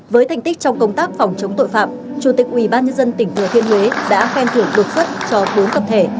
với thành tích trong công tác phòng chống tội phạm chủ tịch ubnd tỉnh thừa thiên huế đã khen thưởng đột xuất cho bốn tập thể